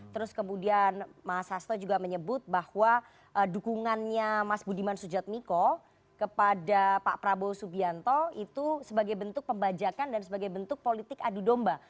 terus kemudian mas hasto juga menyebut bahwa dukungannya mas budiman sujatmiko kepada pak prabowo subianto itu sebagai bentuk pembajakan dan sebagai bentuk politik adu domba